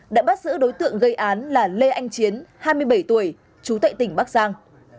đã bắt giữ đối tượng gây án là lê anh chiến hai mươi bảy tuổi trú tại tỉnh bắc giang